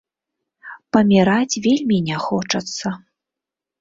Паміраць вельмі не хочацца.